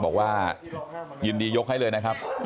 บอกว่ายินดียกให้เลยนะครับ